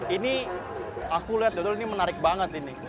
ini aku lihat dodol ini menarik banget ini